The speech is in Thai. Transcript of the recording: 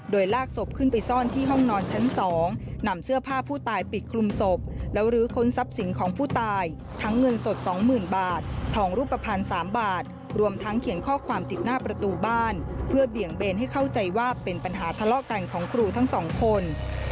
โดยลากศพขึ้นไปซ่อนที่ห้องนอนชั้น๒นำเสื้อผ้าผู้ตายปิดคลุมศพแล้วลื้อค้นทรัพย์สินของผู้ตายทั้งเงินสด๒๐๐๐บาททองรูปภัณฑ์๓บาทรวมทั้งเขียนข้อความติดหน้าประตูบ้านเพื่อเบี่ยงเบนให้เข้าใจว่าเป็นปัญหาทะเลาะกันของครูทั้งสองคน